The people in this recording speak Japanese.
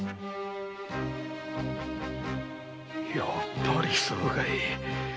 やっぱりそうかい。